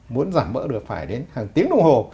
muốn giảm bớt được phải đến hàng tiếng đồng hồ